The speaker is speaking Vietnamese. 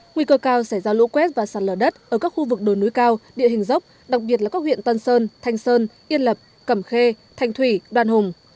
nguy cơ cao xảy ra lũ quét và sạt lở đất ở các khu vực đồi núi cao địa hình dốc đặc biệt là các huyện tân sơn thanh sơn yên lập cẩm khê thanh thủy đoàn hùng